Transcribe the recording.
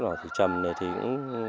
và thủy trầm thì cũng